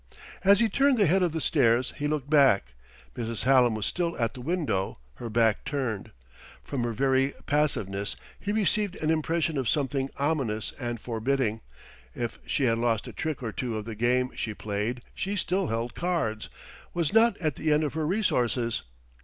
As he turned the head of the stairs he looked back. Mrs. Hallam was still at the window, her back turned. From her very passiveness he received an impression of something ominous and forbidding; if she had lost a trick or two of the game she played, she still held cards, was not at the end of her resources.